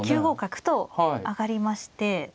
９五角と上がりまして。